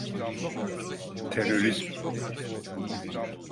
Terörizm…